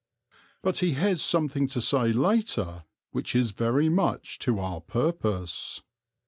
But he has something to say later which is very much to our purpose.